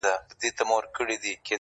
په هره څانګه هر پاڼه کي ویشتلی چنار؛